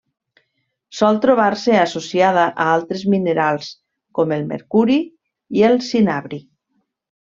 Sol trobar-se associada a altres minerals com el mercuri i el cinabri.